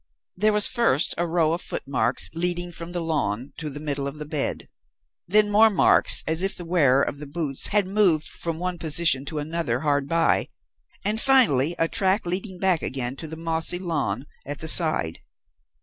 "There was first a row of footmarks leading from the lawn to the middle of the bed; then more marks as if the wearer of the boots had moved from one position to another hard by; and finally, a track leading back again to the mossy lawn at the side.